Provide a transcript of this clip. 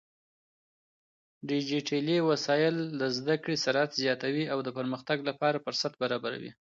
ډيجيټلي وسايل زده کړې سرعت زياتوي او د پرمختګ لپاره فرصت برابروي.